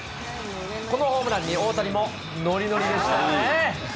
このホームランに大谷もノリノリでしたね。